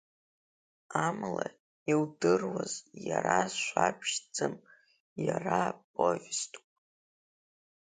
Амала, иудыруаз иара жәабжьӡам, иара повеступ.